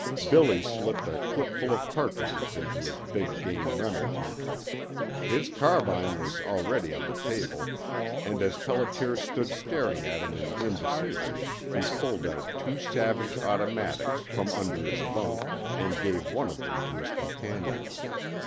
Billy slipped a clipful of cartridges into his big game Remington. His carbine was already on the table, and as Pelliter stood staring at him in indecision he pulled out two Savage automatics from under his bunk and gave one of them to his companion.